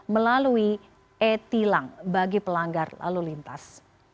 melalui e tilang bagi pelanggar lalu lintas